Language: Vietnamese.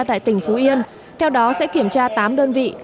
tại tỉnh phú yên theo đó sẽ kiểm tra tám đơn vị